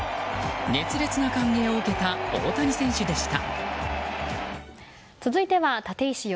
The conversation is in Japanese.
熱烈な歓迎を受けた大谷選手でした。